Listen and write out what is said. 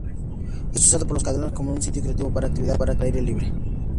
Es usado por los locales como un sitio recreativo para actividades al aire libre